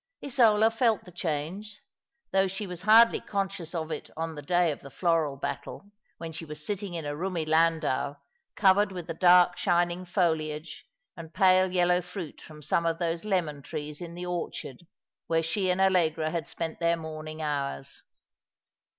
Isola felt the change, though she was hardly conscious of it on the day of the floral battle, when she was sitting in a roomy landau, covered with the dark shining foliage and pale yellow fruit from some of those lemon trees in the orchard where she and AUegra had spent their morning hours.